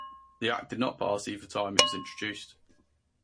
The act did not pass either time it was introduced.